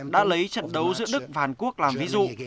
đã lấy trận đấu giữa đức và hàn quốc làm ví dụ